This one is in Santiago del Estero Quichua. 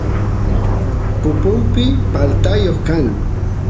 pupumpi paltayoq kan